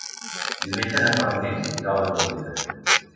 Diumenge na Farners irà a la Vilavella.